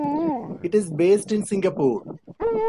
It is based in Singapore.